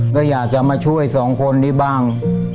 ก็อยากจะมาช่วยสองคนนี้บ้าง